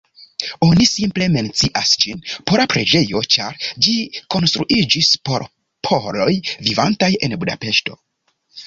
Oni simple mencias ĝin "pola preĝejo", ĉar ĝi konstruiĝis por poloj vivantaj en Budapeŝto.